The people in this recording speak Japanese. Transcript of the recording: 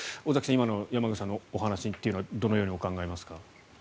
今の山口さんのお話というのはどのように考えますか？